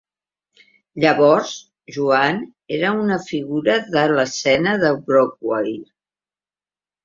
Llavors, Joan era una figura de l'escena de Broadway.